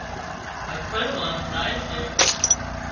هٻڪڻ مان زائي سي